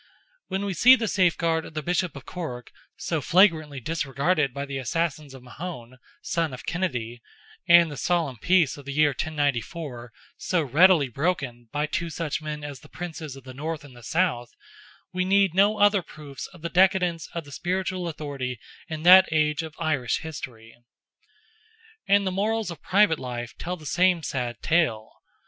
When we see the safeguard of the Bishop of Cork so flagrantly disregarded by the assassins of Mahon, son of Kennedy, and the solemn peace of the year 1094 so readily broken by two such men as the Princes of the North and the South, we need no other proofs of the decadence of the spiritual authority in that age of Irish history. And the morals of private life tell the same sad tale.